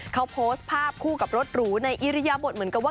เขาโพสต์ภาพคู่กับรถหรูในอิริยบทเหมือนกับว่า